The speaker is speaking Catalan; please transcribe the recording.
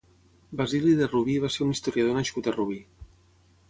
Basili de Rubí va ser un historiador nascut a Rubí.